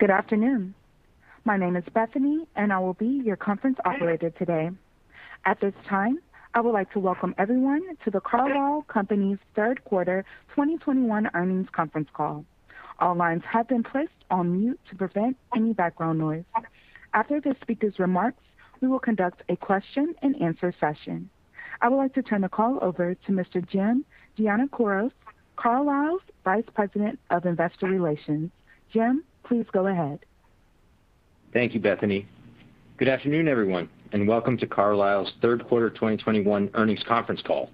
Good afternoon. My name is Bethany. I will be your conference operator today. At this time, I would like to welcome everyone to the Carlisle Companies third quarter 2021 earnings conference call. All lines have been placed on mute to prevent any background noise. After the speakers' remarks, we will conduct a question and answer session. I would like to turn the call over to Mr. Jim Giannakouros, Carlisle's Vice President of Investor Relations. Jim, please go ahead. Thank you, Bethany. Good afternoon, everyone, and welcome to Carlisle's third quarter 2021 earnings conference call.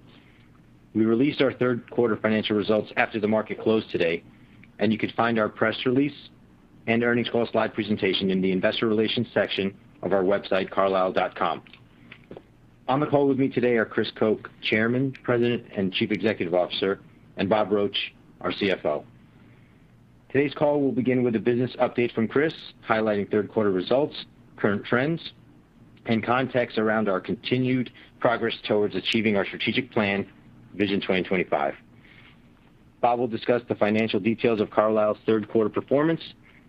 We released our third quarter financial results after the market closed today, and you can find our press release and earnings call slide presentation in the investor relations section of our website, carlisle.com. On the call with me today are Chris Koch, Chairman, President, and Chief Executive Officer, and Bob Roche, our CFO. Today's call will begin with a business update from Chris, highlighting third quarter results, current trends, and context around our continued progress towards achieving our strategic plan, Vision 2025. Bob will discuss the financial details of Carlisle's third quarter performance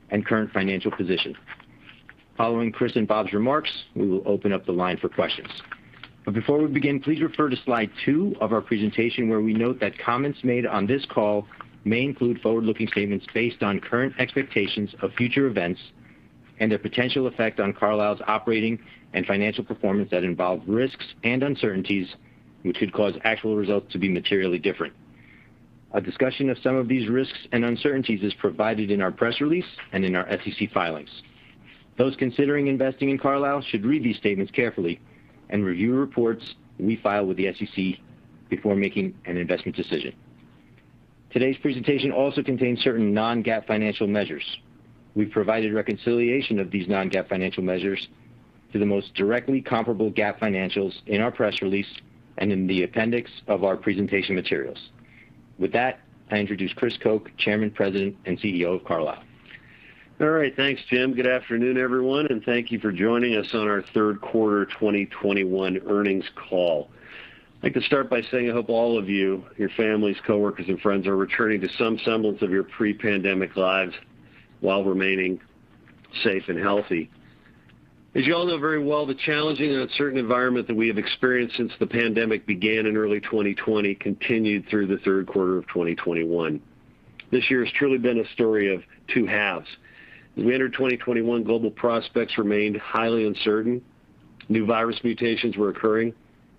and current financial position. Following Chris and Bob's remarks, we will open up the line for questions. Before we begin, please refer to slide two of our presentation, where we note that comments made on this call may include forward-looking statements based on current expectations of future events and their potential effect on Carlisle's operating and financial performance that involve risks and uncertainties, which could cause actual results to be materially different. A discussion of some of these risks and uncertainties is provided in our press release and in our SEC filings. Those considering investing in Carlisle should read these statements carefully and review reports we file with the SEC before making an investment decision. Today's presentation also contains certain non-GAAP financial measures. We've provided reconciliation of these non-GAAP financial measures to the most directly comparable GAAP financials in our press release and in the appendix of our presentation materials. With that, I introduce Chris Koch, Chairman, President, and CEO of Carlisle. All right. Thanks, Jim. Good afternoon, everyone, and thank you for joining us on our third quarter 2021 earnings call. I'd like to start by saying I hope all of you, your families, coworkers, and friends, are returning to some semblance of your pre-pandemic lives while remaining safe and healthy. As you all know very well, the challenging and uncertain environment that we have experienced since the pandemic began in early 2020 continued through the third quarter of 2021. This year has truly been a story of two halves. As we entered 2021, global prospects remained highly uncertain. New virus mutations were occurring,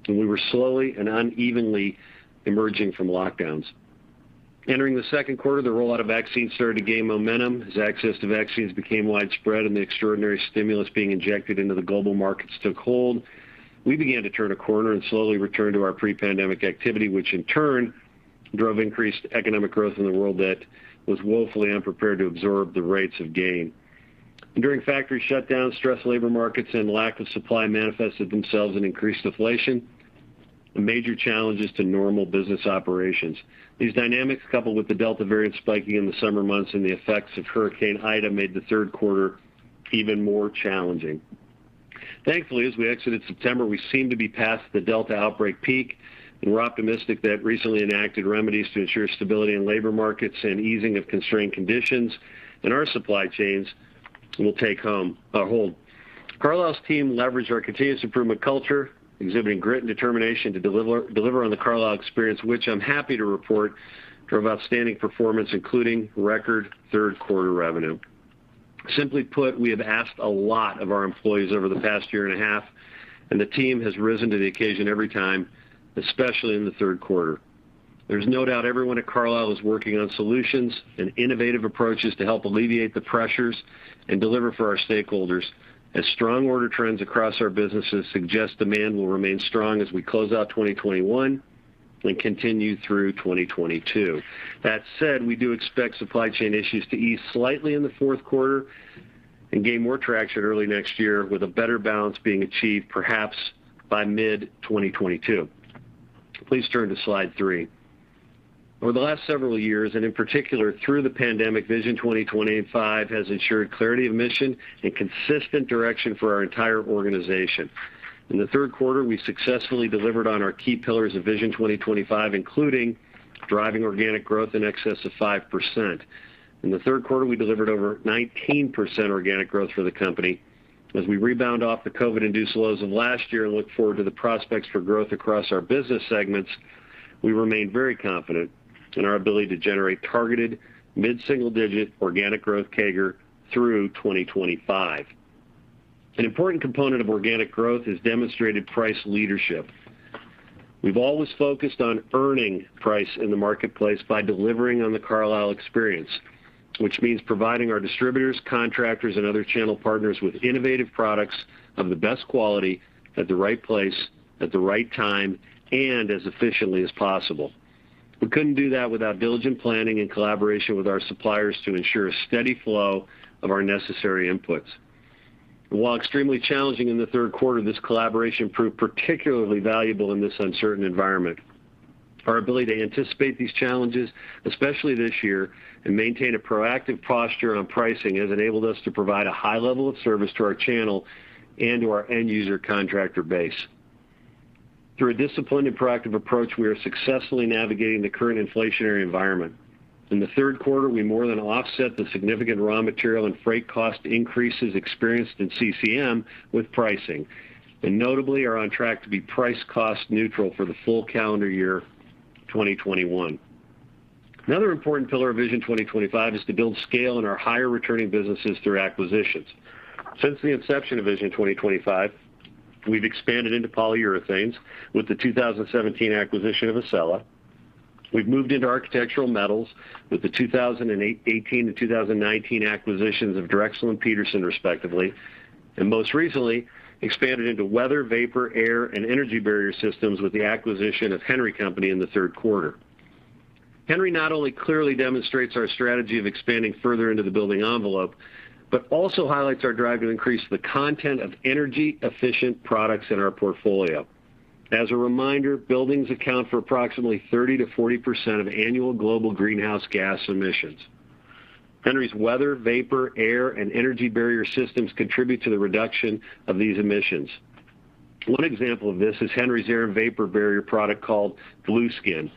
and we were slowly and unevenly emerging from lockdowns. Entering the second quarter, the rollout of vaccines started to gain momentum. As access to vaccines became widespread and the extraordinary stimulus being injected into the global markets took hold, we began to turn a corner and slowly return to our pre-pandemic activity, which in turn drove increased economic growth in the world that was woefully unprepared to absorb the rates of gain. Enduring factory shutdowns, stressed labor markets, and lack of supply manifested themselves in increased inflation and major challenges to normal business operations. These dynamics, coupled with the Delta variant spiking in the summer months and the effects of Hurricane Ida, made the third quarter even more challenging. Thankfully, as we exited September, we seem to be past the Delta outbreak peak, and we're optimistic that recently enacted remedies to ensure stability in labor markets and easing of constrained conditions in our supply chains will take hold. Carlisle's team leveraged our continuous improvement culture, exhibiting great and determination to deliver on the Carlisle Experience, which I'm happy to report drove outstanding performance, including record third quarter revenue. Simply put, we have asked a lot of our employees over the past year and a half. The team has risen to the occasion every time, especially in the third quarter. There's no doubt everyone at Carlisle is working on solutions and innovative approaches to help alleviate the pressures and deliver for our stakeholders, as strong order trends across our businesses suggest demand will remain strong as we close out 2021 and continue through 2022. That said, we do expect supply chain issues to ease slightly in the fourth quarter and gain more traction early next year, with a better balance being achieved perhaps by mid-2022. Please turn to slide three. Over the last several years, and in particular through the pandemic, Vision 2025 has ensured clarity of mission and consistent direction for our entire organization. In the third quarter, we successfully delivered on our key pillars of Vision 2025, including driving organic growth in excess of 5%. In the third quarter, we delivered over 19% organic growth for the company. As we rebound off the COVID-induced lows of last year and look forward to the prospects for growth across our business segments, we remain very confident in our ability to generate targeted mid-single-digit organic growth CAGR through 2025. An important component of organic growth is demonstrated price leadership. We've always focused on earning price in the marketplace by delivering on the Carlisle experience, which means providing our distributors, contractors, and other channel partners with innovative products of the best quality at the right place, at the right time, and as efficiently as possible. We couldn't do that without diligent planning and collaboration with our suppliers to ensure a steady flow of our necessary inputs. While extremely challenging in the third quarter, this collaboration proved particularly valuable in this uncertain environment. Our ability to anticipate these challenges, especially this year, and maintain a proactive posture on pricing has enabled us to provide a high level of service to our channel and to our end user contractor base. Through a disciplined and proactive approach, we are successfully navigating the current inflationary environment. In the third quarter, we more than offset the significant raw material and freight cost increases experienced in CCM with pricing, and notably are on track to be price cost neutral for the full calendar year 2021. Another important pillar of Vision 2025 is to build scale in our higher returning businesses through acquisitions. Since the inception of Vision 2025, we've expanded into polyurethanes with the 2017 acquisition of Accella. We've moved into architectural metals with the 2018 and 2019 acquisitions of Drexel and Petersen, respectively. Most recently expanded into weather, vapor, air, and energy barrier systems with the acquisition of Henry Company in the third quarter. Henry not only clearly demonstrates our strategy of expanding further into the building envelope, but also highlights our drive to increase the content of energy-efficient products in our portfolio. As a reminder, buildings account for approximately 30%-40% of annual global greenhouse gas emissions. Henry's weather, vapor, air, and energy barrier systems contribute to the reduction of these emissions. One example of this is Henry's air and vapor barrier product called Blueskin.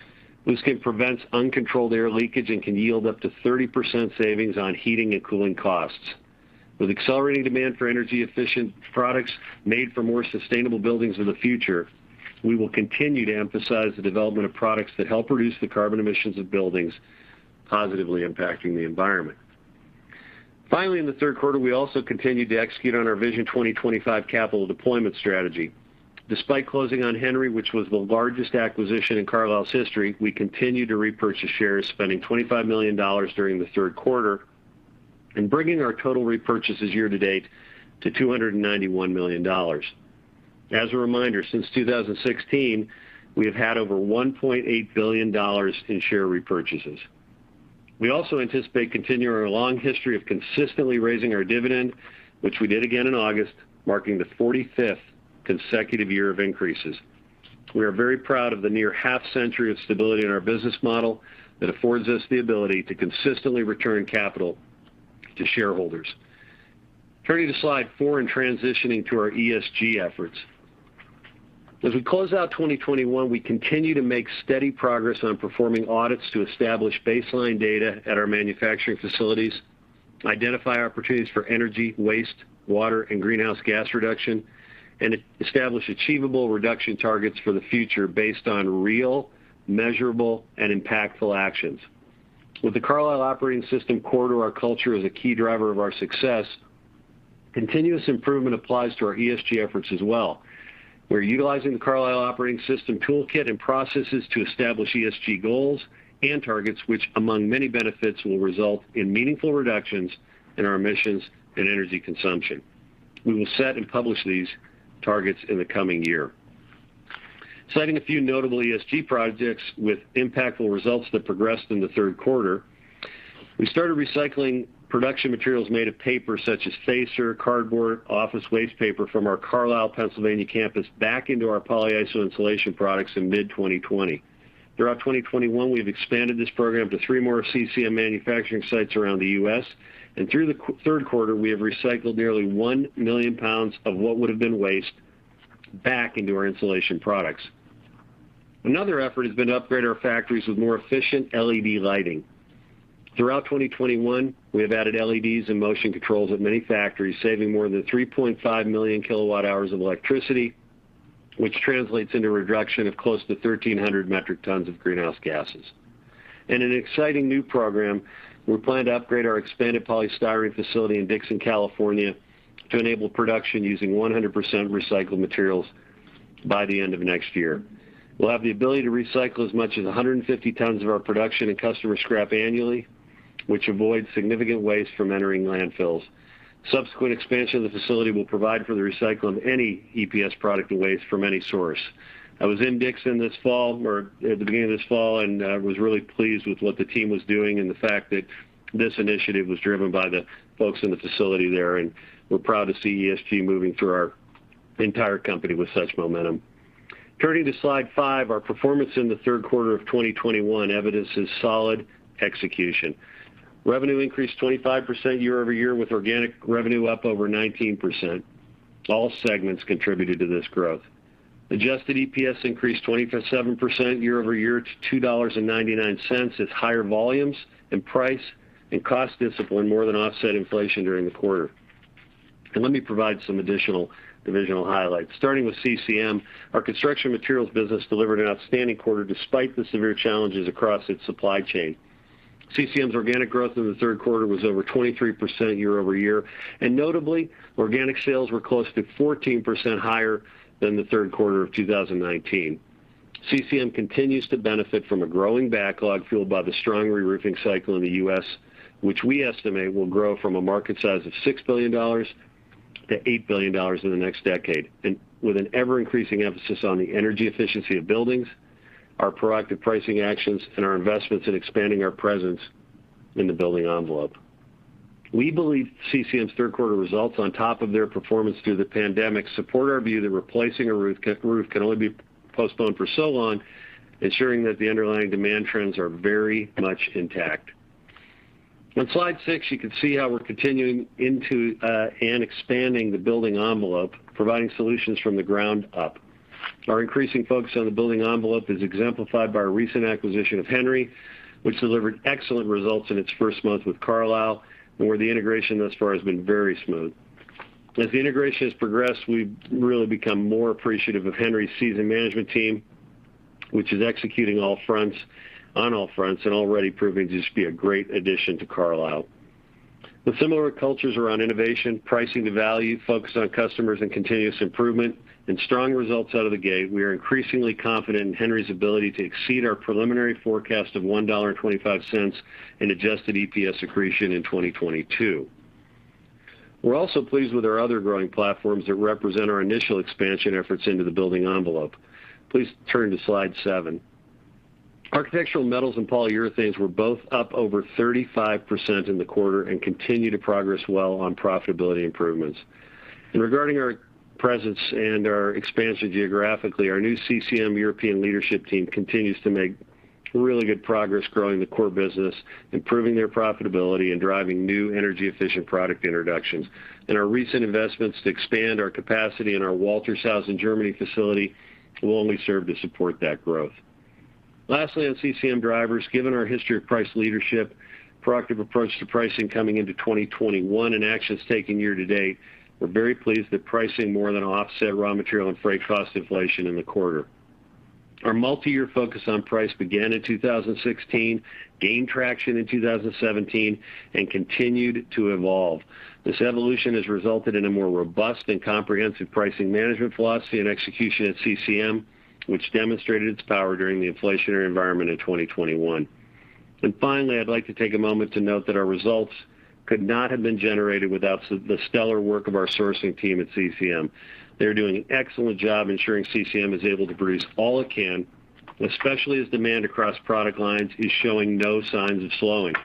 Blueskin prevents uncontrolled air leakage and can yield up to 30% savings on heating and cooling costs. With accelerating demand for energy-efficient products made for more sustainable buildings of the future, we will continue to emphasize the development of products that help reduce the carbon emissions of buildings, positively impacting the environment. Finally, in the third quarter, we also continued to execute on our Vision 2025 capital deployment strategy. Despite closing on Henry, which was the largest acquisition in Carlisle's history, we continued to repurchase shares, spending $25 million during the third quarter, and bringing our total repurchases year to date to $291 million. As a reminder, since 2016, we have had over $1.8 billion in share repurchases. We also anticipate continuing our long history of consistently raising our dividend, which we did again in August, marking the 45th consecutive year of increases. We are very proud of the near half century of stability in our business model that affords us the ability to consistently return capital to shareholders. Turning to slide four and transitioning to our ESG efforts. As we close out 2021, we continue to make steady progress on performing audits to establish baseline data at our manufacturing facilities, identify opportunities for energy, waste, water, and greenhouse gas reduction, and establish achievable reduction targets for the future based on real, measurable, and impactful actions. With the Carlisle Operating System core to our culture as a key driver of our success, continuous improvement applies to our ESG efforts as well. We're utilizing the Carlisle Operating System toolkit and processes to establish ESG goals and targets, which among many benefits, will result in meaningful reductions in our emissions and energy consumption. We will set and publish these targets in the coming year. Citing a few notable ESG projects with impactful results that progressed in the third quarter, we started recycling production materials made of paper, such as facer, cardboard, office waste paper from our Carlisle, Pennsylvania campus back into our polyiso insulation products in mid-2020. Throughout 2021, we've expanded this program to three more CCM manufacturing sites around the U.S., and through the third quarter, we have recycled nearly one million pounds of what would've been waste back into our insulation products. Another effort has been to upgrade our factories with more efficient LED lighting. Throughout 2021, we have added LEDs and motion controls at many factories, saving more than 3.5 million kilowatt hours of electricity, which translates into a reduction of close to 1,300 metric tons of greenhouse gases. In an exciting new program, we plan to upgrade our expanded polystyrene facility in Dixon, California, to enable production using 100% recycled materials by the end of next year. We'll have the ability to recycle as much as 150 tons of our production in customer scrap annually, which avoids significant waste from entering landfills. Subsequent expansion of the facility will provide for the recycle of any EPS product and waste from any source. I was in Dixon at the beginning of this fall, and was really pleased with what the team was doing and the fact that this initiative was driven by the folks in the facility there, and we're proud to see ESG moving through our entire company with such momentum. Turning to slide five, our performance in the third quarter of 2021 evidences solid execution. Revenue increased 25% year-over-year with organic revenue up over 19%. All segments contributed to this growth. Adjusted EPS increased 27% year-over-year to $2.99 as higher volumes and price and cost discipline more than offset inflation during the quarter. Let me provide some additional divisional highlights. Starting with CCM. Our construction materials business delivered an outstanding quarter despite the severe challenges across its supply chain. CCM's organic growth in the third quarter was over 23% year-over-year, and notably, organic sales were close to 14% higher than the third quarter of 2019. CCM continues to benefit from a growing backlog fueled by the strong reroofing cycle in the U.S., which we estimate will grow from a market size of $6 billion-$8 billion in the next decade. With an ever-increasing emphasis on the energy efficiency of buildings, our proactive pricing actions, and our investments in expanding our presence in the building envelope, we believe CCM's third quarter results on top of their performance through the pandemic support our view that replacing a roof can only be postponed for so long, ensuring that the underlying demand trends are very much intact. On slide six, you can see how we're continuing into, and expanding the building envelope, providing solutions from the ground up. Our increasing focus on the building envelope is exemplified by our recent acquisition of Henry, which delivered excellent results in its first month with Carlisle, where the integration thus far has been very smooth. As the integration has progressed, we've really become more appreciative of Henry's seasoned management team, which is executing on all fronts and already proving to just be a great addition to Carlisle. With similar cultures around innovation, pricing to value, focus on customers and continuous improvement, and strong results out of the gate, we are increasingly confident in Henry's ability to exceed our preliminary forecast of $1.25 in adjusted EPS accretion in 2022. We're also pleased with our other growing platforms that represent our initial expansion efforts into the building envelope. Please turn to slide seven. Architectural metals and polyurethanes were both up over 35% in the quarter and continue to progress well on profitability improvements. Regarding our presence and our expansion geographically, our new CCM European leadership team continues to make really good progress growing the core business, improving their profitability, and driving new energy-efficient product introductions. Our recent investments to expand our capacity in our Waltershausen, Germany facility will only serve to support that growth. Lastly, on CCM drivers, given our history of price leadership, proactive approach to pricing coming into 2021, and actions taken year to date, we're very pleased that pricing more than offset raw material and freight cost inflation in the quarter. Our multi-year focus on price began in 2016, gained traction in 2017, and continued to evolve. This evolution has resulted in a more robust and comprehensive pricing management philosophy and execution at CCM, which demonstrated its power during the inflationary environment in 2021. Finally, I'd like to take a moment to note that our results could not have been generated without the stellar work of our sourcing team at CCM. They're doing an excellent job ensuring CCM is able to produce all it can, especially as demand across product lines is showing no signs of slowing.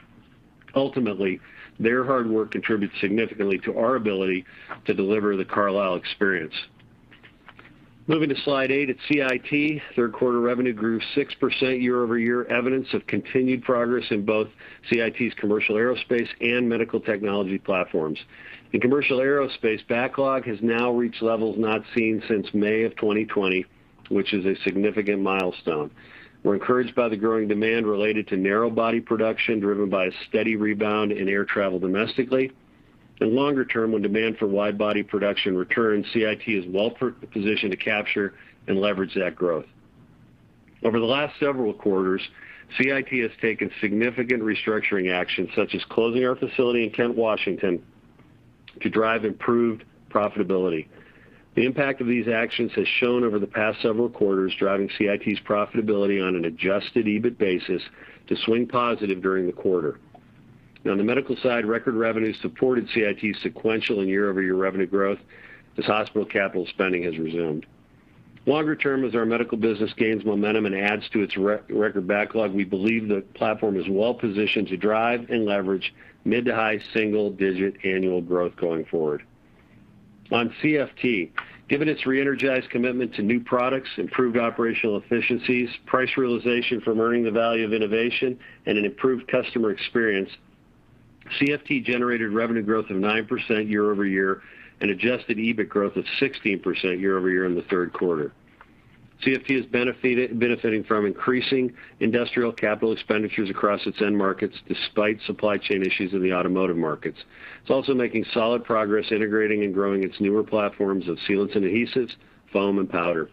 Ultimately, their hard work contributes significantly to our ability to deliver the Carlisle experience. Moving to slide eight. At CIT, third quarter revenue grew 6% year-over-year, evidence of continued progress in both CIT's commercial aerospace and medical technology platforms. In commercial aerospace, backlog has now reached levels not seen since May of 2020, which is a significant milestone. We're encouraged by the growing demand related to narrow-body production, driven by a steady rebound in air travel domestically. Longer term, when demand for wide-body production returns, CIT is well-positioned to capture and leverage that growth. Over the last several quarters, CIT has taken significant restructuring actions, such as closing our facility in Kent, Washington, to drive improved profitability. The impact of these actions has shown over the past several quarters, driving CIT's profitability on an adjusted EBIT basis to swing positive during the quarter. On the medical side, record revenue supported CIT's sequential and year-over-year revenue growth as hospital capital spending has resumed. Longer term, as our medical business gains momentum and adds to its record backlog, we believe the platform is well-positioned to drive and leverage mid to high single-digit annual growth going forward. On CFT. Given its re-energized commitment to new products, improved operational efficiencies, price realization from earning the value of innovation, and an improved customer experience, CFT generated revenue growth of 9% year-over-year and adjusted EBIT growth of 16% year-over-year in the third quarter. CFT is benefiting from increasing industrial capital expenditures across its end markets, despite supply chain issues in the automotive markets. It's also making solid progress integrating and growing its newer platforms of sealants and adhesives, foam and powder.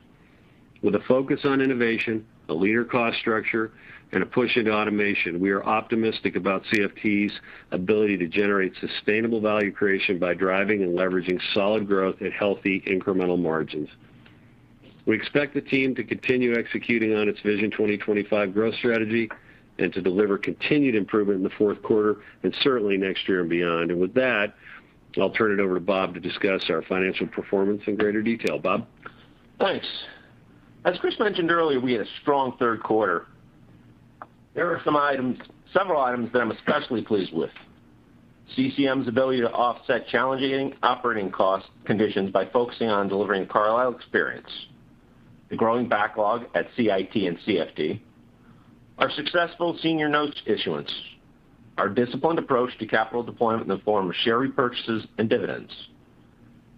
With a focus on innovation, a leader cost structure, and a push into automation, we are optimistic about CFT's ability to generate sustainable value creation by driving and leveraging solid growth at healthy incremental margins. We expect the team to continue executing on its Vision 2025 growth strategy and to deliver continued improvement in the fourth quarter, and certainly next year and beyond. With that, I'll turn it over to Bob to discuss our financial performance in greater detail. Bob? Thanks. As Chris mentioned earlier, we had a strong third quarter. There are several items that I'm especially pleased with. CCM's ability to offset challenging operating cost conditions by focusing on delivering the Carlisle experience, the growing backlog at CIT and CFT, our successful senior notes issuance, our disciplined approach to capital deployment in the form of share repurchases and dividends,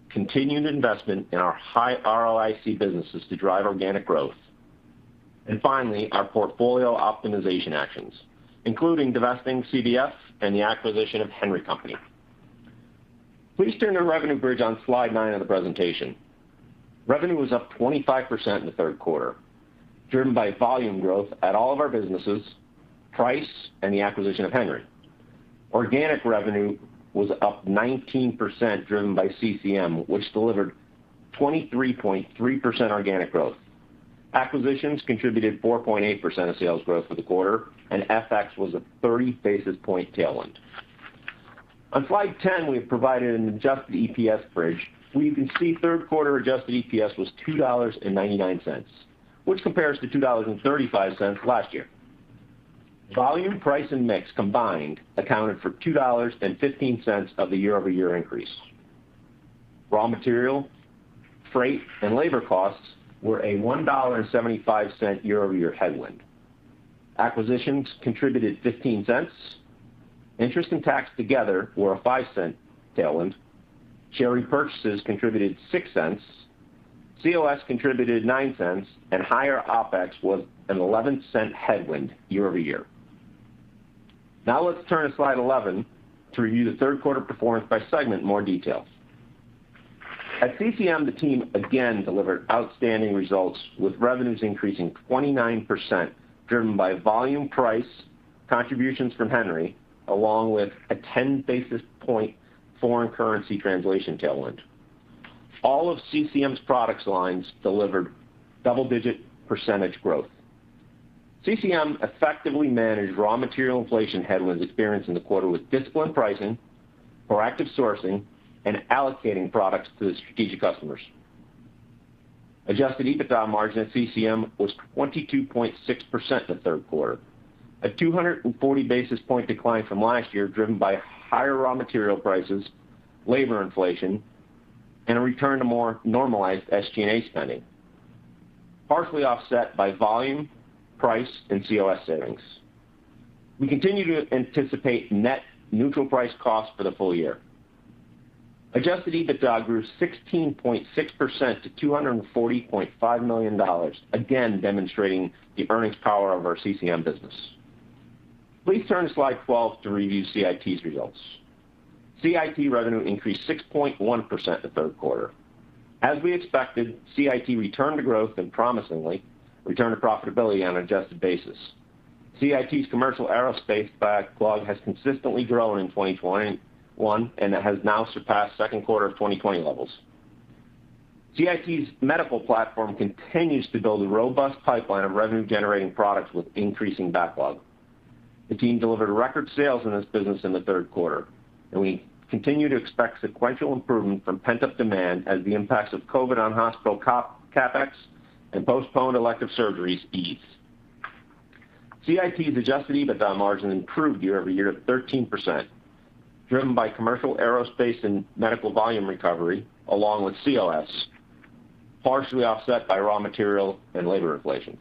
continued investment in our high ROIC businesses to drive organic growth. Finally, our portfolio optimization actions, including divesting CBF and the acquisition of Henry Company. Please turn to the revenue bridge on slide nine of the presentation. Revenue was up 25% in the third quarter, driven by volume growth at all of our businesses, price, and the acquisition of Henry. Organic revenue was up 19% driven by CCM, which delivered 23.3% organic growth. Acquisitions contributed 4.8% of sales growth for the quarter. FX was a 30 basis point tailwind. On slide 10, we have provided an adjusted EPS bridge, where you can see third quarter adjusted EPS was $2.99, which compares to $2.35 last year. Volume, price, and mix combined accounted for $2.15 of the year-over-year increase. Raw material, freight, and labor costs were a $1.75 year-over-year headwind. Acquisitions contributed $0.15. Interest and tax together were a $0.05 tailwind. Share repurchases contributed $0.06. COS contributed $0.09. Higher OpEx was an $0.11 headwind year-over-year. Let's turn to slide 11 to review the third quarter performance by segment in more detail. At CCM, the team again delivered outstanding results, with revenues increasing 29%, driven by volume price contributions from Henry, along with a 10 basis point foreign currency translation tailwind. All of CCM's products lines delivered double-digit percentage growth. CCM effectively managed raw material inflation headwinds experienced in the quarter with disciplined pricing, proactive sourcing, and allocating products to the strategic customers. Adjusted EBITDA margin at CCM was 22.6% in the third quarter, a 240 basis point decline from last year, driven by higher raw material prices, labor inflation, and a return to more normalized SG&A spending, partially offset by volume, price, and COS savings. We continue to anticipate net neutral price costs for the full year. Adjusted EBITDA grew 16.6% to $240.5 million, again demonstrating the earnings power of our CCM business. Please turn to slide 12 to review CIT's results. CIT revenue increased 6.1% in the third quarter. As we expected, CIT returned to growth, and promisingly, returned to profitability on an adjusted basis. CIT's commercial aerospace backlog has consistently grown in 2021, and it has now surpassed second quarter of 2020 levels. CIT's medical platform continues to build a robust pipeline of revenue-generating products with increasing backlog. The team delivered record sales in this business in the third quarter, and we continue to expect sequential improvement from pent-up demand as the impacts of COVID on hospital CapEx and postponed elective surgeries ease. CIT's adjusted EBITDA margin improved year-over-year to 13%, driven by commercial aerospace and medical volume recovery, along with COS, partially offset by raw material and labor inflation.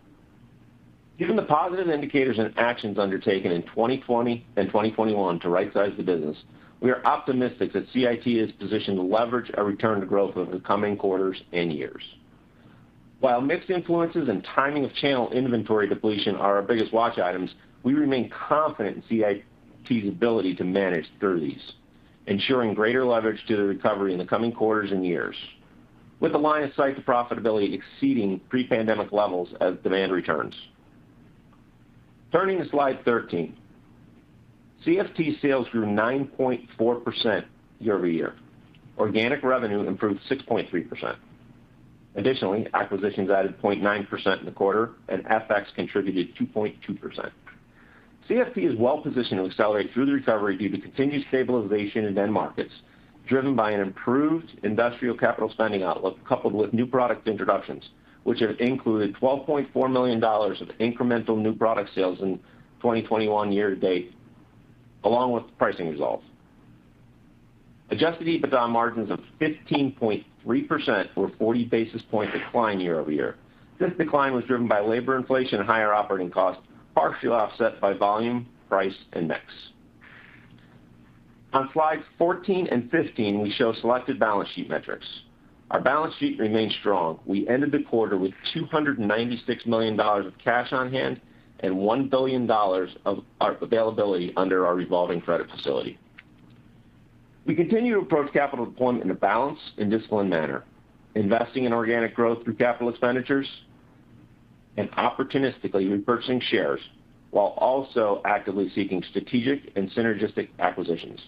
Given the positive indicators and actions undertaken in 2020 and 2021 to right size the business, we are optimistic that CIT is positioned to leverage a return to growth over the coming quarters and years. While mixed influences and timing of channel inventory depletion are our biggest watch items, we remain confident in CIT's ability to manage through these, ensuring greater leverage to the recovery in the coming quarters and years with a line of sight to profitability exceeding pre-pandemic levels as demand returns. Turning to slide 13. CFT sales grew 9.4% year-over-year. Organic revenue improved 6.3%. Additionally, acquisitions added 0.9% in the quarter, and FX contributed 2.2%. CFT is well positioned to accelerate through the recovery due to continued stabilization in end markets, driven by an improved industrial capital spending outlook, coupled with new product introductions, which have included $12.4 million of incremental new product sales in 2021 year-to-date, along with pricing results. Adjusted EBITDA margins of 15.3% were a 40 basis point decline year-over-year. This decline was driven by labor inflation and higher operating costs, partially offset by volume, price, and mix. On slides 14 and 15, we show selected balance sheet metrics. Our balance sheet remains strong. We ended the quarter with $296 million of cash on hand and $1 billion of availability under our revolving credit facility. We continue to approach capital deployment in a balanced and disciplined manner, investing in organic growth through capital expenditures and opportunistically repurchasing shares, while also actively seeking strategic and synergistic acquisitions.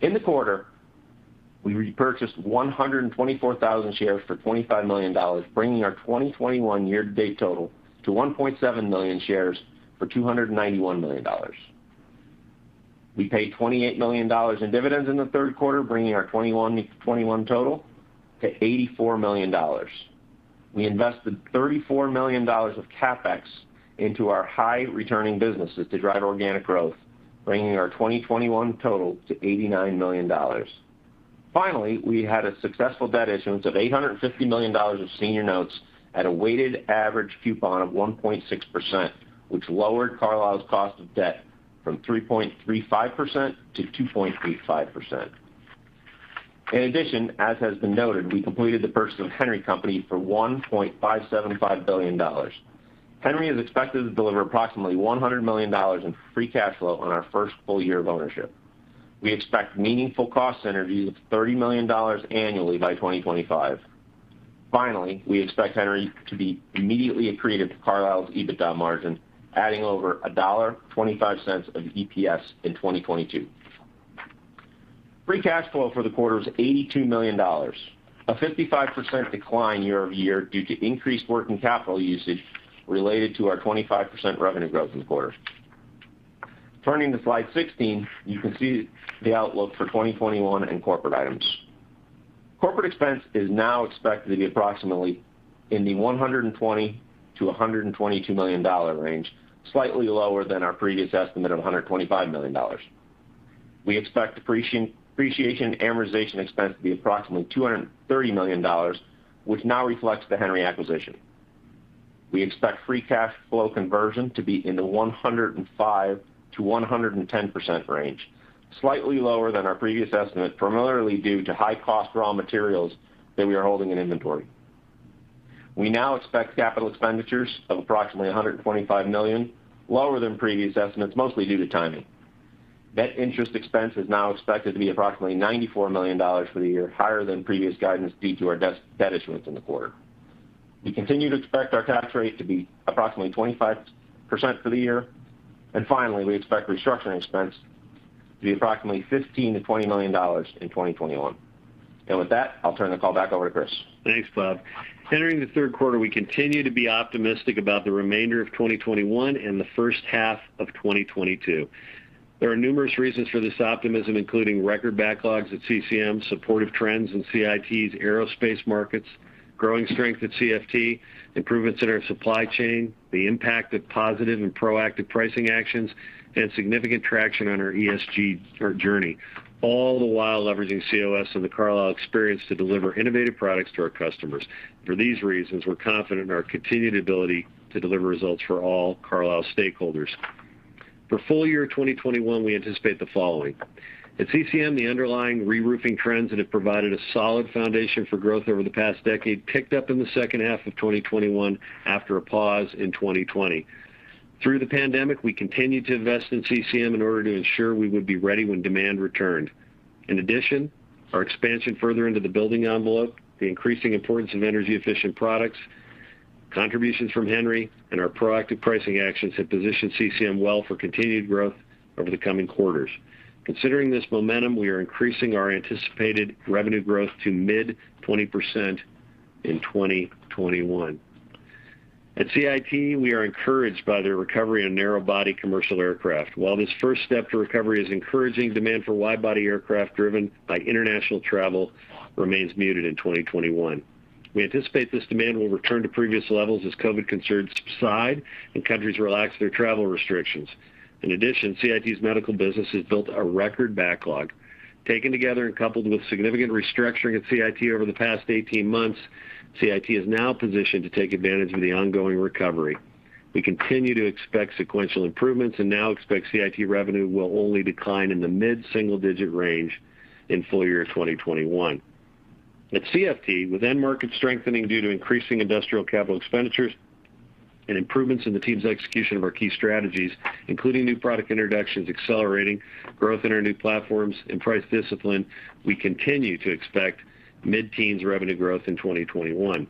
In the quarter, we repurchased 124,000 shares for $25 million, bringing our 2021 year-to-date total to 1.7 million shares for $291 million. We paid $28 million in dividends in the third quarter, bringing our 2021 total to $84 million. We invested $34 million of CapEx into our high-returning businesses to drive organic growth, bringing our 2021 total to $89 million. We had a successful debt issuance of $850 million of senior notes at a weighted average coupon of 1.6%, which lowered Carlisle's cost of debt from 3.35% to 2.85%. As has been noted, we completed the purchase of Henry Company for $1.575 billion. Henry is expected to deliver approximately $100 million in free cash flow on our first full year of ownership. We expect meaningful cost synergies of $30 million annually by 2025. We expect Henry to be immediately accretive to Carlisle's EBITDA margin, adding over $1.25 of EPS in 2022. Free cash flow for the quarter was $82 million, a 55% decline year-over-year due to increased working capital usage related to our 25% revenue growth in the quarter. Turning to slide 16, you can see the outlook for 2021 and corporate items. Corporate expense is now expected to be approximately in the $120-122 million range, slightly lower than our previous estimate of $125 million. We expect depreciation, amortization expense to be approximately $230 million, which now reflects the Henry acquisition. We expect free cash flow conversion to be in the 105%-110% range, slightly lower than our previous estimate, primarily due to high-cost raw materials that we are holding in inventory. We now expect capital expenditures of approximately $125 million, lower than previous estimates, mostly due to timing. Debt interest expense is now expected to be approximately $94 million for the year, higher than previous guidance due to our debt issuance in the quarter. We continue to expect our tax rate to be approximately 25% for the year. Finally, we expect restructuring expense to be approximately $15-20 million in 2021. With that, I'll turn the call back over to Chris. Thanks, Bob. Entering the third quarter, we continue to be optimistic about the remainder of 2021 and the first half of 2022. There are numerous reasons for this optimism, including record backlogs at CCM, supportive trends in CIT's aerospace markets, growing strength at CFT, improvements in our supply chain, the impact of positive and proactive pricing actions, and significant traction on our ESG journey, all the while leveraging COS and the Carlisle experience to deliver innovative products to our customers. For these reasons, we're confident in our continued ability to deliver results for all Carlisle stakeholders. For full year 2021, we anticipate the following. At CCM, the underlying reroofing trends that have provided a solid foundation for growth over the past decade picked up in the second half of 2021 after a pause in 2020. Through the pandemic, we continued to invest in CCM in order to ensure we would be ready when demand returned. In addition, our expansion further into the building envelope, the increasing importance of energy-efficient products, contributions from Henry, and our proactive pricing actions have positioned CCM well for continued growth over the coming quarters. Considering this momentum, we are increasing our anticipated revenue growth to mid 20% in 2021. At CIT, we are encouraged by the recovery of narrow-body commercial aircraft. While this first step to recovery is encouraging, demand for wide-body aircraft driven by international travel remains muted in 2021. We anticipate this demand will return to previous levels as COVID concerns subside and countries relax their travel restrictions. In addition, CIT's medical business has built a record backlog. Taken together and coupled with significant restructuring at CIT over the past 18 months, CIT is now positioned to take advantage of the ongoing recovery. We continue to expect sequential improvements and now expect CIT revenue will only decline in the mid-single-digit range in full year 2021. At CFT, with end market strengthening due to increasing industrial capital expenditures and improvements in the team's execution of our key strategies, including new product introductions, accelerating growth in our new platforms, and price discipline, we continue to expect mid-teens revenue growth in 2021.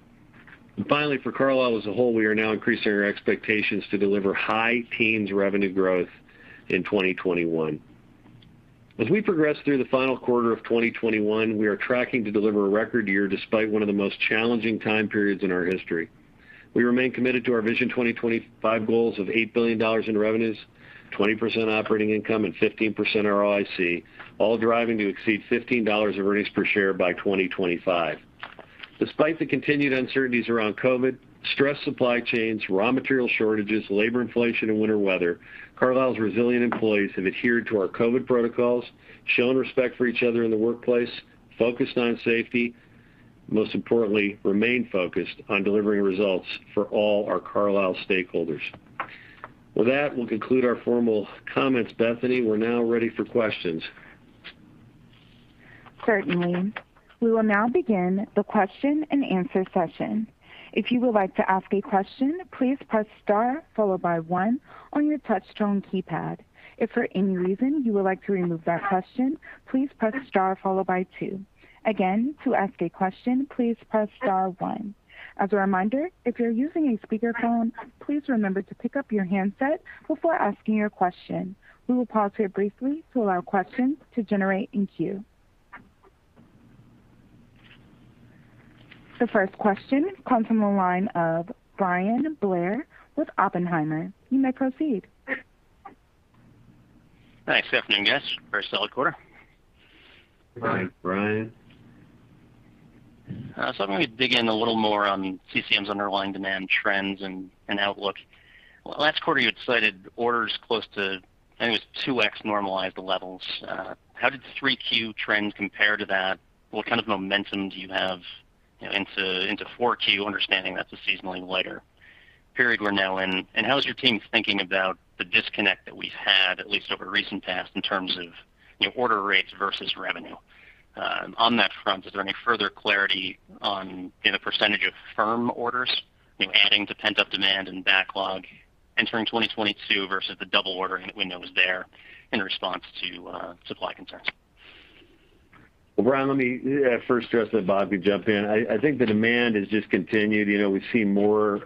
Finally, for Carlisle as a whole, we are now increasing our expectations to deliver high-teens revenue growth in 2021. As we progress through the final quarter of 2021, we are tracking to deliver a record year despite one of the most challenging time periods in our history. We remain committed to our Vision 2025 goals of $8 billion in revenues, 20% operating income, and 15% ROIC, all driving to exceed $15 of earnings per share by 2025. Despite the continued uncertainties around COVID, stressed supply chains, raw material shortages, labor inflation, and winter weather, Carlisle's resilient employees have adhered to our COVID protocols, shown respect for each other in the workplace, focused on safety, most importantly, remained focused on delivering results for all our Carlisle stakeholders. With that, we'll conclude our formal comments. Bethany, we're now ready for questions. Certainly. We will now begin the question and answer session. If you would like to ask a question, please press star followed by one on your touchtone keypad. If for any reason you would like to remove that question, please press star followed by two. Again, to ask a question, please press star one. As a reminder, if you're using a speakerphone, please remember to pick up your handset before asking your question. We will pause here briefly to allow questions to generate in queue. The first question comes from the line of Bryan Blair with Oppenheimer. You may proceed. Thanks. Good afternoon, guys. Very solid quarter. Thanks, Bryan. I'm going to dig in a little more on CCM's underlying demand trends and outlook. Last quarter, you had cited orders close to, I think it was 2x normalized levels. How did Q3 trends compare to that? What kind of momentum do you have into Q4, understanding that's a seasonally lighter period we're now in, and how is your team thinking about the disconnect that we've had, at least over the recent past, in terms of order rates versus revenue? On that front, is there any further clarity on the percentage of firm orders adding to pent-up demand and backlog entering 2022 versus the double order window that was there in response to supply concerns? Bryan, let me first address that. Robert, you jump in. I think the demand has just continued. We've seen more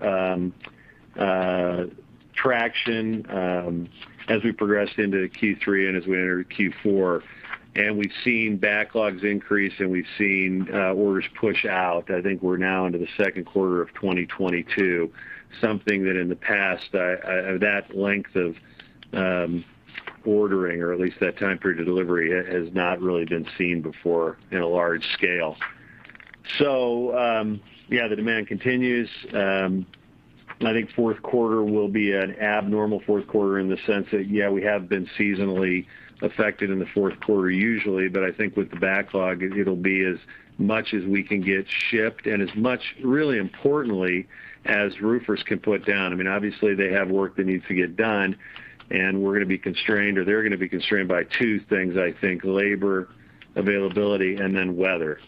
traction as we progressed into Q3 and as we entered Q4, and we've seen backlogs increase, and we've seen orders push out. I think we're now into the second quarter of 2022. Something that in the past, that length of ordering, or at least that time period to delivery, has not really been seen before in a large scale. Yeah, the demand continues. I think fourth quarter will be an abnormal fourth quarter in the sense that, yeah, we have been seasonally affected in the fourth quarter usually. I think with the backlog, it'll be as much as we can get shipped and as much, really importantly, as roofers can put down. Obviously, they have work that needs to get done, and we're going to be constrained, or they're going to be constrained by two things, I think, labor availability and then weather.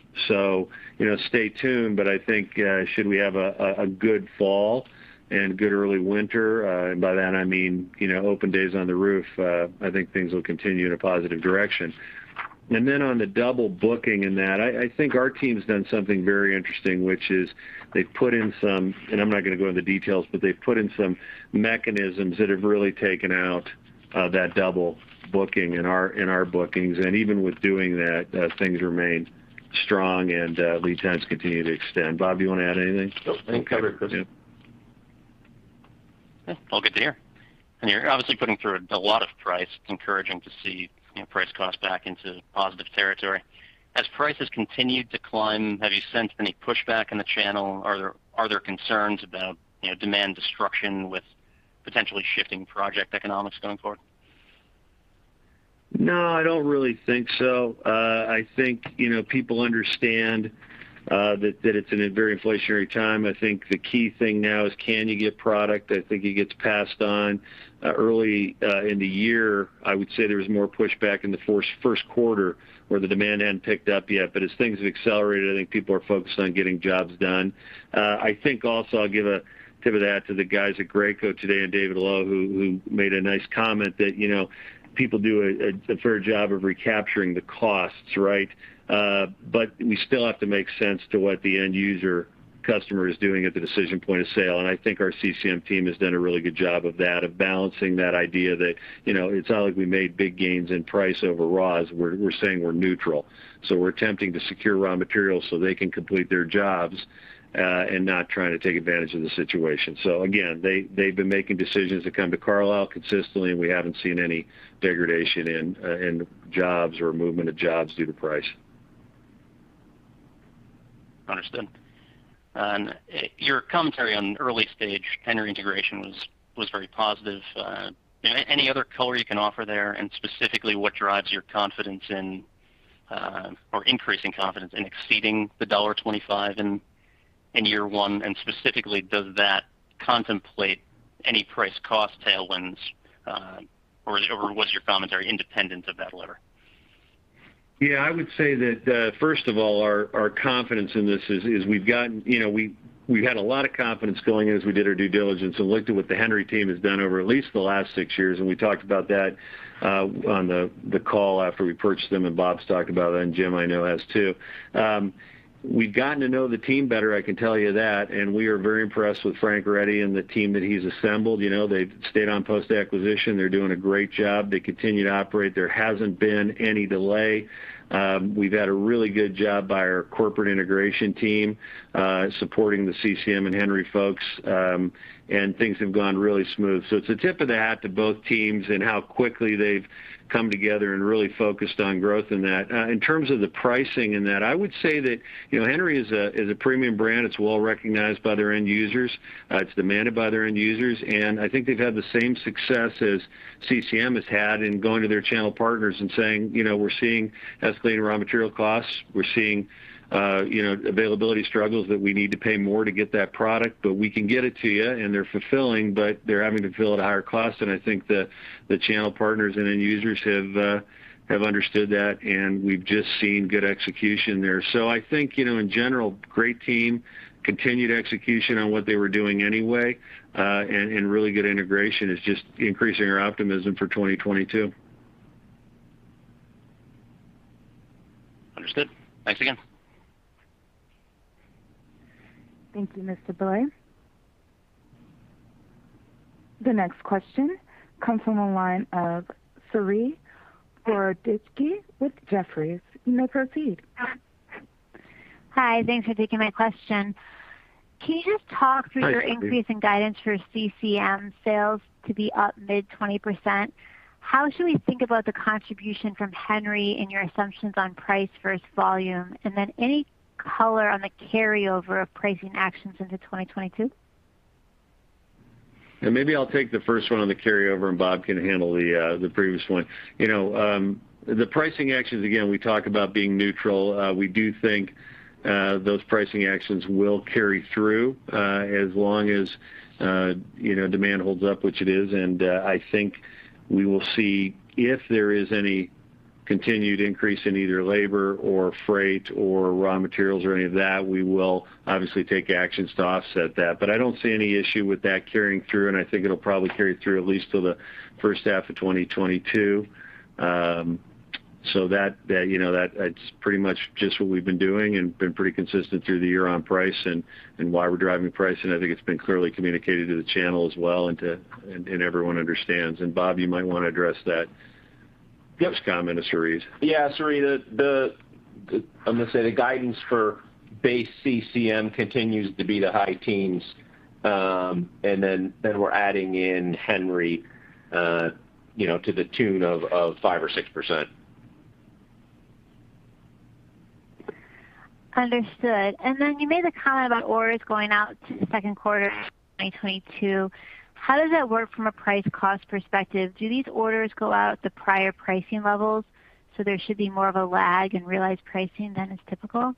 Stay tuned, but I think, should we have a good fall and good early winter, and by that I mean open days on the roof, I think things will continue in a positive direction. Then on the double booking and that, I think our team's done something very interesting, which is, and I'm not going to go into the details, but they've put in some mechanisms that have really taken out that double booking in our bookings. Even with doing that, things remain strong and lead times continue to extend. Bob, you want to add anything? No. Thank you, Chris. Okay. All good to hear. You're obviously putting through a lot of price. Encouraging to see price cost back into positive territory. As prices continue to climb, have you sensed any pushback in the channel, or are there concerns about demand destruction with potentially shifting project economics going forward? No, I don't really think so. I think people understand that it's in a very inflationary time. I think the key thing now is can you get product? I think it gets passed on early in the year. I would say there was more pushback in the first quarter where the demand hadn't picked up yet. As things have accelerated, I think people are focused on getting jobs done. I think also I'll give a tip of the hat to the guys at Graco today and David Lowe, who made a nice comment that people do a fair job of recapturing the costs, right? We still have to make sense to what the end user customer is doing at the decision point of sale, and I think our CCM team has done a really good job of that, of balancing that idea that it's not like we made big gains in price over raws. We're saying we're neutral. We're attempting to secure raw materials so they can complete their jobs, and not trying to take advantage of the situation. Again, they've been making decisions to come to Carlisle consistently, and we haven't seen any degradation in jobs or movement of jobs due to price. Understood. Your commentary on early stage Henry integration was very positive. Any other color you can offer there, and specifically what drives your confidence in, or increasing confidence in exceeding the $1.25 in year one, and specifically, does that contemplate any price cost tailwinds? What's your commentary independent of that lever? Yeah. I would say that, first of all, our confidence in this is we've had a lot of confidence going in as we did our due diligence and looked at what the Henry team has done over at least the last six years, and we talked about that on the call after we purchased them, and Bob's talked about it, and Jim, I know, has, too. We've gotten to know the team better, I can tell you that, and we are very impressed with Frank Ready and the team that he's assembled. They've stayed on post-acquisition. They're doing a great job. They continue to operate. There hasn't been any delay. We've had a really good job by our corporate integration team, supporting the CCM and Henry folks, and things have gone really smooth. It's a tip of the hat to both teams and how quickly they've come together and really focused on growth in that. In terms of the pricing in that, I would say that Henry is a premium brand. It's well recognized by their end users. It's demanded by their end users. I think they've had the same success as CCM has had in going to their channel partners and saying, "We're seeing escalating raw material costs. We're seeing availability struggles that we need to pay more to get that product, but we can get it to you." They're fulfilling, but they're having to fill at a higher cost. I think the channel partners and end users have understood that, and we've just seen good execution there. I think in general, great team, continued execution on what they were doing anyway, and really good integration is just increasing our optimism for 2022. Understood. Thanks again. Thank you, Mr. Blair. The next question comes from the line of Saree Boroditsky with Jefferies. You may proceed. Hi. Thanks for taking my question. Hi, Saree. Can you just talk through your increase in guidance for CCM sales to be up mid-20%? How should we think about the contribution from Henry in your assumptions on price versus volume? Any color on the carryover of pricing actions into 2022? Yeah, maybe I'll take the first one on the carryover and Bob can handle the previous one. The pricing actions, again, we talk about being neutral. We do think those pricing actions will carry through, as long as demand holds up, which it is. I think we will see if there is any continued increase in either labor or freight or raw materials or any of that, we will obviously take actions to offset that. I don't see any issue with that carrying through, and I think it'll probably carry through at least till the first half of 2022. That's pretty much just what we've been doing and been pretty consistent through the year on price and why we're driving price, and I think it's been clearly communicated to the channel as well, and everyone understands. Bob, you might want to address that. Just comment, Saree Boroditsky. Yeah, Saree, I'm going to say the guidance for base CCM continues to be the high teens. Then we're adding in Henry Company, to the tune of 5% or 6%. Understood. You made the comment about orders going out to the second quarter of 2022. How does that work from a price cost perspective? Do these orders go out at the prior pricing levels, there should be more of a lag in realized pricing than is typical?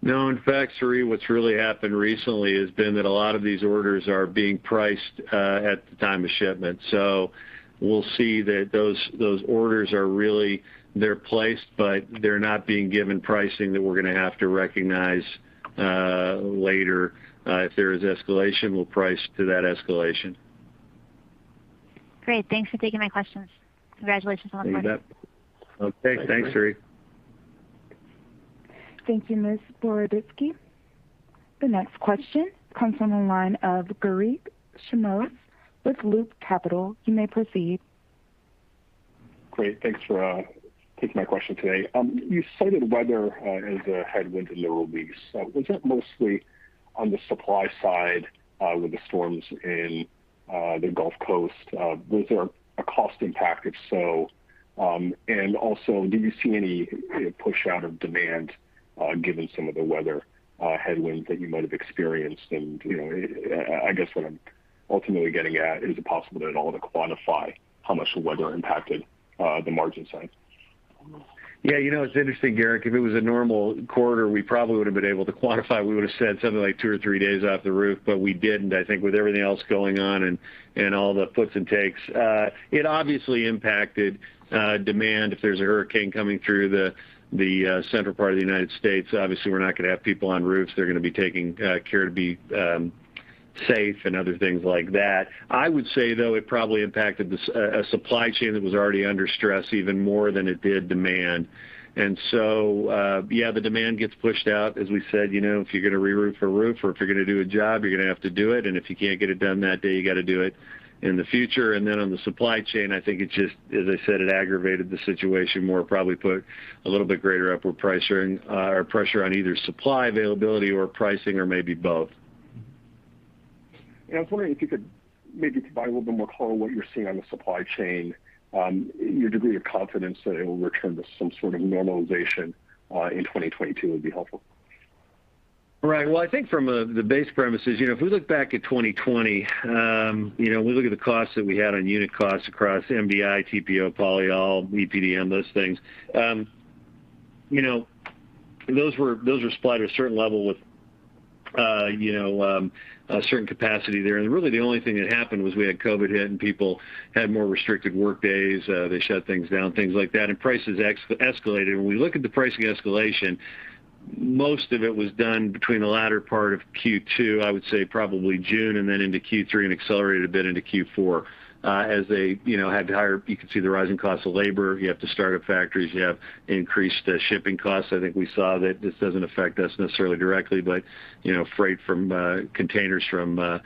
No, in fact, Saree, what's really happened recently has been that a lot of these orders are being priced at the time of shipment. We'll see that those orders are really, they're placed, but they're not being given pricing that we're going to have to recognize later. If there is escalation, we'll price to that escalation. Great. Thanks for taking my questions. Congratulations on the quarter. You bet. Okay. Thanks, Saree. Thank you, Ms. Boroditsky. The next question comes from the line of Garik Shmois with Loop Capital. You may proceed. Great. Thanks for taking my question today. You cited weather as a headwind in the release. Was that mostly on the supply side with the storms in the Gulf Coast? Was there a cost impact, if so, and also, did you see any push out of demand given some of the weather headwinds that you might have experienced? I guess what I'm ultimately getting at, is it possible at all to quantify how much the weather impacted the margin side? Yeah. It's interesting, Garik. If it was a normal quarter, we probably would've been able to quantify. We would've said something like two or three days off the roof, but we didn't. I think with everything else going on and all the puts and takes, it obviously impacted demand. If there's a hurricane coming through the center part of the United States, obviously we're not going to have people on roofs. They're going to be taking care to be safe and other things like that. I would say, though, it probably impacted a supply chain that was already under stress even more than it did demand. Yeah, the demand gets pushed out. As we said, if you're going to reroof a roof or if you're going to do a job, you're going to have to do it. If you can't get it done that day, you got to do it in the future. On the supply chain, I think it just, as I said, it aggravated the situation more, probably put a little bit greater upward pressure on either supply availability or pricing, or maybe both. I was wondering if you could maybe provide a little bit more color on what you're seeing on the supply chain. Your degree of confidence that it will return to some sort of normalization in 2022 would be helpful. Right. Well, I think from the base premises, if we look back at 2020, we look at the costs that we had on unit costs across MDI, TPO, polyol, EPDM, those things. Those were supplied at a certain level with a certain capacity there. Really the only thing that happened was we had COVID hit, and people had more restricted workdays. They shut things down, things like that, and prices escalated. When we look at the pricing escalation, most of it was done between the latter part of Q2, I would say probably June, and then into Q3, and accelerated a bit into Q4. As they had to hire, you could see the rising cost of labor. You have to start up factories. You have increased shipping costs. I think we saw that this doesn't affect us necessarily directly, freight from containers from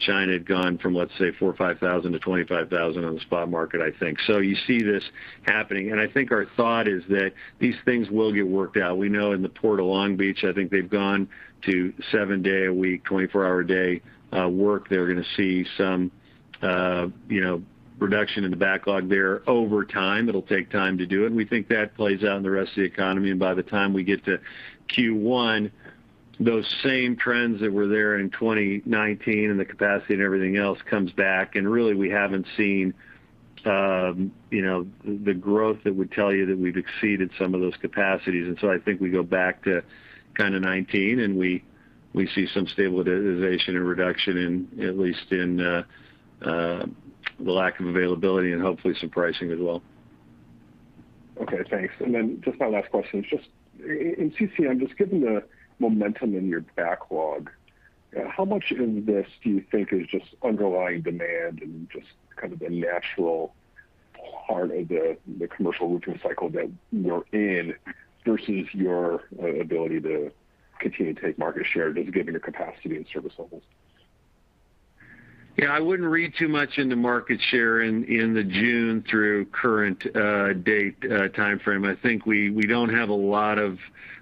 China had gone from, let's say, $4,000, $5,000 to $25,000 on the spot market, I think. You see this happening, I think our thought is that these things will get worked out. We know in the Port of Long Beach, I think they've gone to seven day a week, 24-hour day work. They're going to see some reduction in the backlog there over time. It'll take time to do it, we think that plays out in the rest of the economy. By the time we get to Q1, those same trends that were there in 2019 and the capacity and everything else comes back. Really, we haven't seen the growth that would tell you that we've exceeded some of those capacities. I think we go back to kind of 2019, and we see some stabilization and reduction in, at least in the lack of availability and hopefully some pricing as well. Okay, thanks. Just my last question is just, in CCM, just given the momentum in your backlog, how much of this do you think is just underlying demand and just kind of the natural part of the commercial roofing cycle that you're in versus your ability to continue to take market share just given your capacity and service levels? Yeah, I wouldn't read too much into market share in the June through current date timeframe. I think we don't have a lot of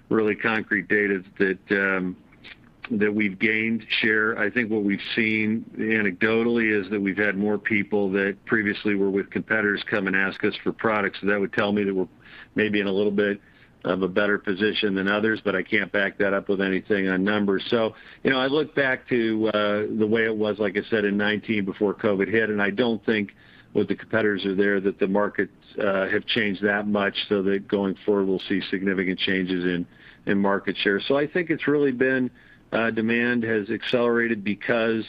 really concrete data that we've gained share. I think what we've seen anecdotally is that we've had more people that previously were with competitors come and ask us for products. That would tell me that we're maybe in a little bit of a better position than others, but I can't back that up with anything on numbers. I look back to the way it was, like I said, in 2019 before COVID hit, and I don't think with the competitors that are there that the markets have changed that much, so that going forward we'll see significant changes in market share. I think it's really been demand has accelerated because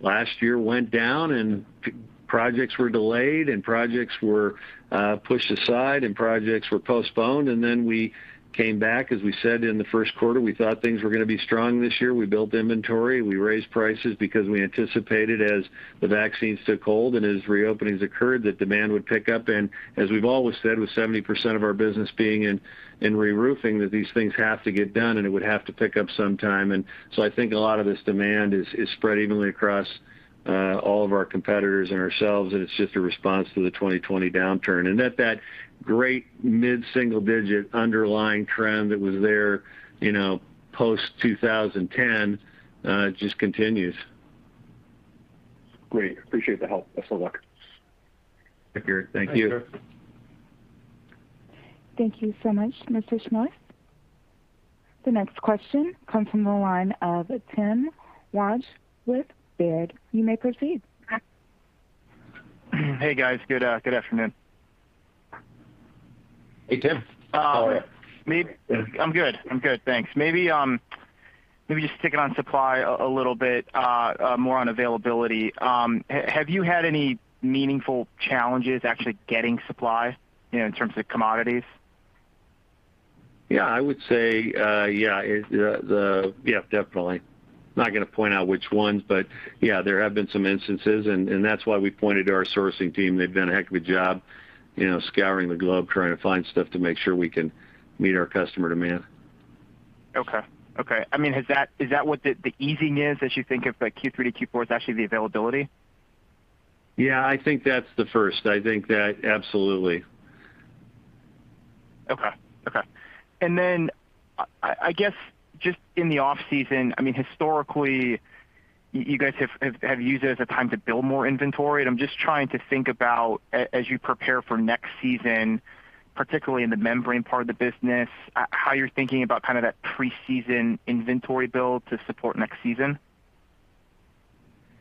last year went down and projects were delayed, and projects were pushed aside, and projects were postponed. We came back, as we said in the first quarter, we thought things were going to be strong this year. We built inventory. We raised prices because we anticipated as the vaccines took hold and as reopenings occurred, that demand would pick up. As we've always said, with 70% of our business being in reroofing, that these things have to get done, and it would have to pick up sometime. I think a lot of this demand is spread evenly across all of our competitors and ourselves, and it's just a response to the 2020 downturn. That great mid-single-digit underlying trend that was there, post-2010, just continues. Great. Appreciate the help. Best of luck. Thank you. Thanks, sir. Thank you so much, Mr. Shmois. The next question comes from the line of Timothy Wojs with Baird. You may proceed. Hey, guys. Good afternoon. Hey, Tim. How are you? I'm good, thanks. Maybe just to take it on supply a little bit, more on availability. Have you had any meaningful challenges actually getting supply in terms of commodities? I would say yeah. Definitely. Not gonna point out which ones, but yeah, there have been some instances, and that's why we pointed to our sourcing team. They've done a heck of a job scouring the globe trying to find stuff to make sure we can meet our customer demand. Okay. Is that what the easing is as you think of Q3 to Q4, is actually the availability? Yeah, I think that's the first. I think that, absolutely. Okay. I guess just in the off-season, historically, you guys have used it as a time to build more inventory, I'm just trying to think about as you prepare for next season, particularly in the membrane part of the business, how you're thinking about that pre-season inventory build to support next season.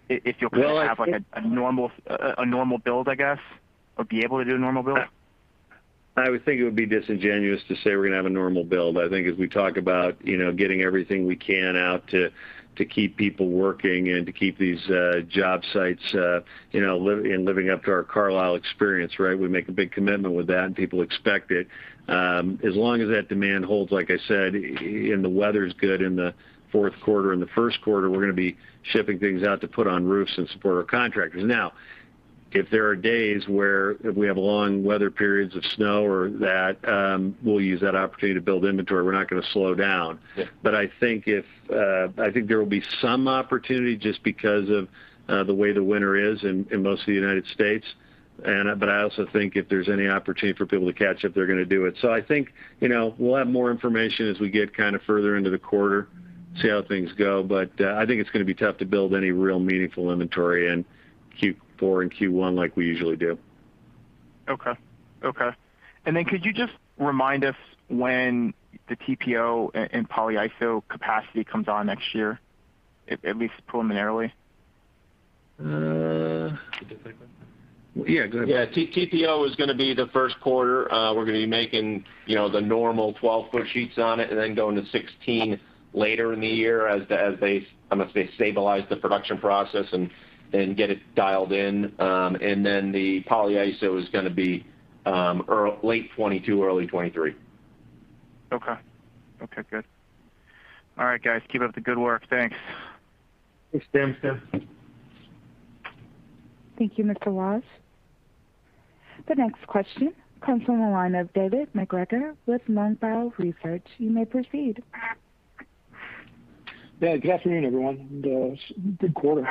Well, I think- have a normal build, I guess, or be able to do a normal build. I would think it would be disingenuous to say we're gonna have a normal build. I think as we talk about getting everything we can out to keep people working and to keep these job sites and living up to our Carlisle Experience, right? We make a big commitment with that, and people expect it. As long as that demand holds, like I said, and the weather's good in the fourth quarter and the first quarter, we're gonna be shipping things out to put on roofs and support our contractors. Now, if there are days where if we have long weather periods of snow or that, we'll use that opportunity to build inventory. We're not gonna slow down. Yeah. I think there will be some opportunity just because of the way the winter is in most of the United States. I also think if there's any opportunity for people to catch up, they're gonna do it. I think we'll have more information as we get further into the quarter, see how things go. I think it's gonna be tough to build any real meaningful inventory in Q4 and Q1 like we usually do. Okay. Then could you just remind us when the TPO and polyiso capacity comes on next year, at least preliminarily? Uh- You can take that. Yeah, go ahead. Yeah. TPO is going to be the first quarter. We are going to be making the normal 12-foot sheets on it and then going to 16 later in the year as they stabilize the production process and get it dialed in. The polyiso is going to be late 2022, early 2023. Okay. Good. All right, guys. Keep up the good work. Thanks. Thanks, Tim. Thank you, Mr. Wojs. The next question comes from the line of David MacGregor with Longbow Researc. You may proceed. Yeah. Good afternoon, everyone, and good quarter.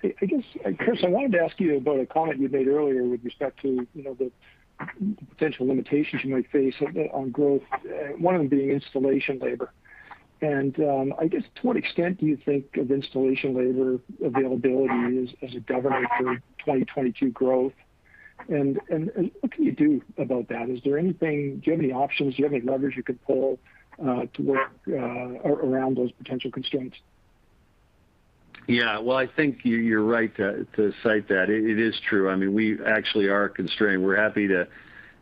Chris, I wanted to ask you about a comment you made earlier with respect to the potential limitations you might face on growth, one of them being installation labor. To what extent do you think of installation labor availability as a governor for 2022 growth, and what can you do about that? Is there anything, do you have any options, do you have any levers you can pull to work around those potential constraints? Yeah. Well, I think you're right to cite that. It is true. We actually are constrained. We're happy to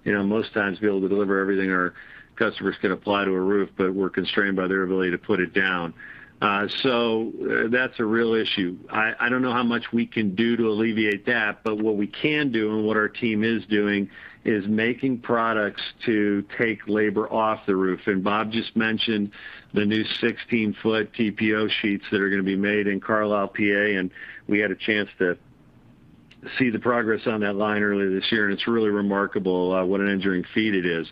most times be able to deliver everything our customers can apply to a roof, but we're constrained by their ability to put it down. That's a real issue. I don't know how much we can do to alleviate that, but what we can do and what our team is doing is making products to take labor off the roof. Bob just mentioned the new 16-foot TPO sheets that are gonna be made in Carlisle, PA, and we had a chance to see the progress on that line earlier this year, and it's really remarkable what an engineering feat it is.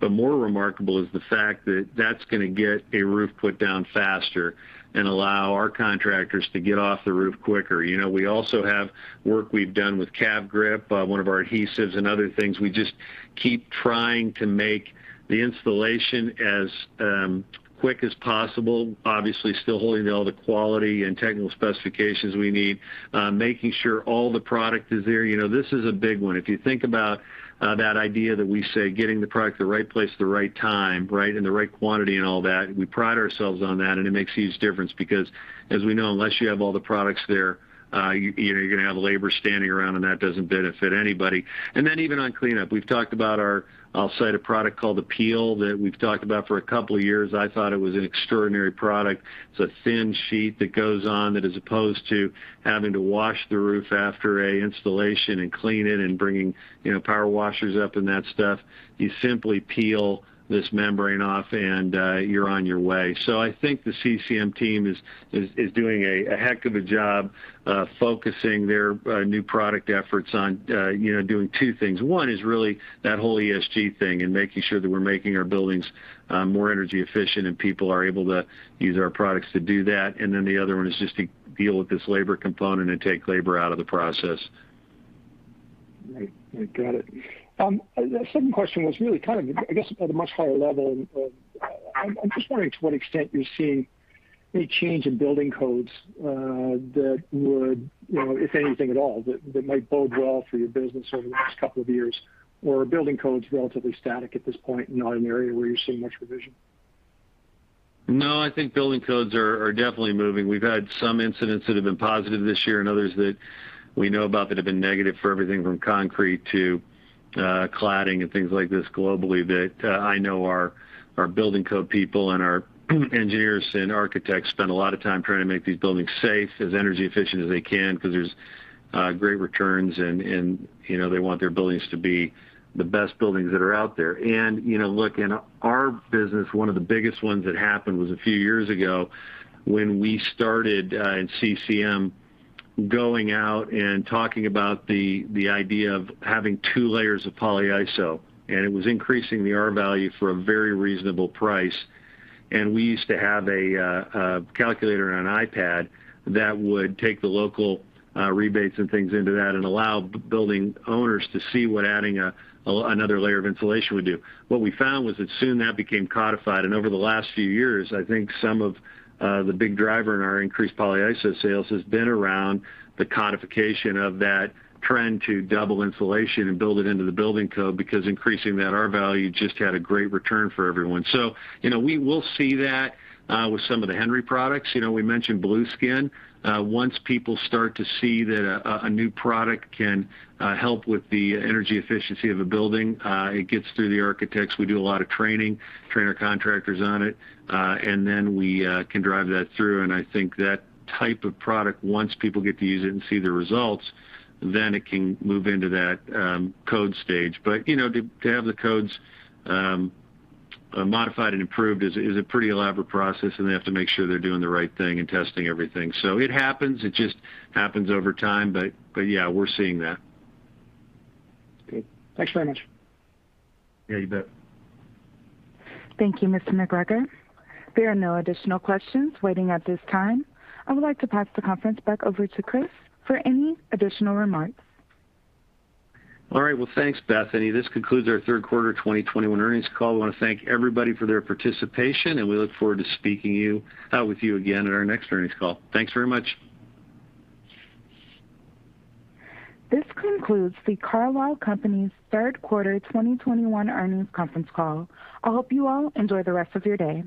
More remarkable is the fact that that's gonna get a roof put down faster and allow our contractors to get off the roof quicker. We also have work we've done with CAV-GRIP, one of our adhesives, and other things. We just keep trying to make the installation as quick as possible, obviously still holding to all the quality and technical specifications we need, making sure all the product is there. This is a big one. If you think about that idea that we say getting the product to the right place at the right time, and the right quantity and all that, we pride ourselves on that, and it makes huge difference because as we know, unless you have all the products there, you're gonna have labor standing around, and that doesn't benefit anybody. Then even on cleanup, we've talked about our, I'll cite a product called APEEL that we've talked about for a couple of years. I thought it was an extraordinary product. It's a thin sheet that goes on that as opposed to having to wash the roof after a installation and clean it and bringing power washers up and that stuff, you simply peel this membrane off, and you're on your way. I think the CCM team is doing a heck of a job focusing their new product efforts on doing two things. One is really that whole ESG thing and making sure that we're making our buildings more energy efficient and people are able to use our products to do that. The other one is just to deal with this labor component and take labor out of the process. Right. I got it. The second question was really, I guess, at a much higher level of, I'm just wondering to what extent you're seeing a change in building codes that would, if anything at all, that might bode well for your business over the next couple of years, or are building codes relatively static at this point, not an area where you're seeing much revision? No, I think building codes are definitely moving. We've had some incidents that have been positive this year and others that we know about that have been negative for everything from concrete to cladding and things like this globally that I know our building code people and our engineers and architects spend a lot of time trying to make these buildings safe, as energy efficient as they can because there's great returns, and they want their buildings to be the best buildings that are out there. Look, in our business, one of the biggest ones that happened was a few years ago when we started in CCM, going out and talking about the idea of having two layers of polyiso, and it was increasing the R-value for a very reasonable price. We used to have a calculator on an iPad that would take the local rebates and things into that and allow building owners to see what adding another layer of insulation would do. What we found was that soon that became codified, and over the last few years, I think some of the big driver in our increased polyiso sales has been around the codification of that trend to double insulation and build it into the building code because increasing that R-value just had a great return for everyone. We will see that with some of the Henry products. We mentioned Blueskin. Once people start to see that a new product can help with the energy efficiency of a building, it gets through the architects. We do a lot of training, train our contractors on it, and then we can drive that through. I think that type of product, once people get to use it and see the results, then it can move into that code stage. To have the codes modified and improved is a pretty elaborate process, and they have to make sure they're doing the right thing and testing everything. It happens, it just happens over time. Yeah, we're seeing that. Great. Thanks very much. Yeah, you bet. Thank you, David MacGregor. There are no additional questions waiting at this time. I would like to pass the conference back over to Chris for any additional remarks. All right. Well, thanks, Bethany. This concludes our third quarter 2021 earnings call. We want to thank everybody for their participation, and we look forward to speaking with you again at our next earnings call. Thanks very much. This concludes the Carlisle Companies' third quarter 2021 earnings conference call. I hope you all enjoy the rest of your day.